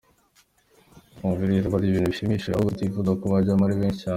Twumva rero ari ibintu bishimishije ahubwo tukifuza ko bajyamo ari benshi cyane.